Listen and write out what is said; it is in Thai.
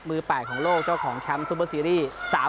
มือแปลกของโลกเจ้าของแชมป์ซุปเปอร์ซีรีย์